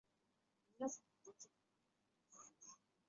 圣卡斯坦人口变化图示